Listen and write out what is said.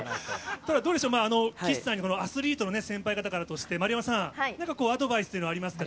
ただ、どうでしょう、岸さんにアスリートの先輩方からとして、丸山さん、なんかアドバイスというのはありますか？